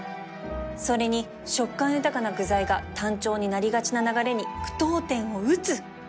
それに食感豊かな具材が単調になりがちな流れに句読点を打つ